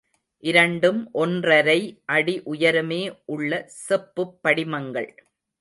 இரண்டும் ஒன்றரை அடி உயரமே உள்ள செப்புப் படிமங்கள்.